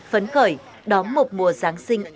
phấn khởi đón một mùa giáng sinh an lành